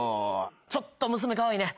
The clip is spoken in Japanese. ちょっと娘かわいいね。